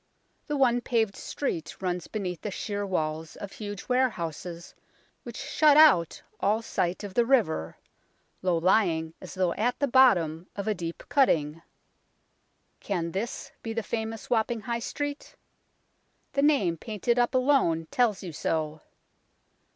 The one paved street runs beneath the sheer walls of huge warehouses which shut out all sight of the river, low lying as though at the bottom of a deep cutting. Can this be the famous Wapping High Street ? The name painted up alone tells you so.